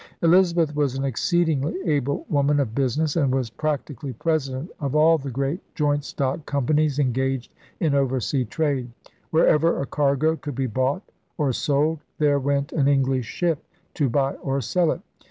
Elizabeth was an exceedingly able woman of business and was practically president of all the 68 ELIZABETHAN SEA DOGS great joint stock companies engaged in oversea trade. Wherever a cargo could be bought or sold there went an English ship to buy or sell it.